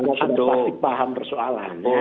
pasti paham persoalannya